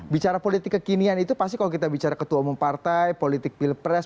bicara politik kekinian itu pasti kalau kita bicara ketua umum partai politik pilpres